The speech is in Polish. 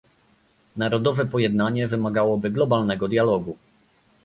Narodowe pojednanie wymagałoby globalnego dialogu